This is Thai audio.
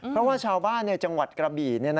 เพราะว่าชาวบ้านในจังหวัดกระบี่